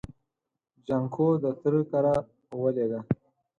جانکو د تره کره ولېږه.